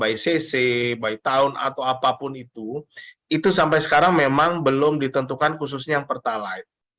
itu sampai sekarang memang belum ditentukan khususnya yang pertalite